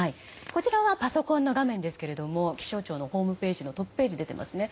こちらはパソコンの画面ですが気象庁のホームページのトップページが出ていますね。